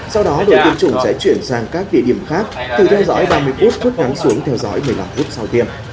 sau đó đội tiêm chủng sẽ chuyển sang các địa điểm khác từ theo dõi ba mươi phút thuốc uống xuống theo dõi một mươi năm phút sau tiêm